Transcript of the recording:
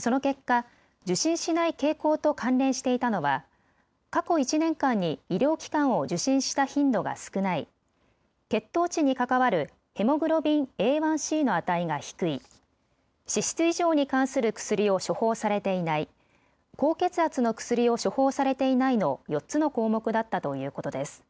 その結果、受診しない傾向と関連していたのは過去１年間に医療機関を受診した頻度が少ない、血糖値に関わるＨｂＡ１ｃの値が低い、脂質異常に関する薬を処方されていない、高血圧の薬を処方されていないの４つの項目だったということです。